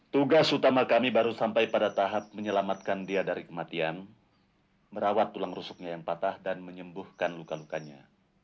tugas utama kami baru sampai pada tahap menyelamatkan dia dari kematian merawat tulang rusuknya yang patah dan menyembuhkan luka lukanya